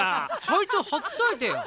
そいつほっといてよ。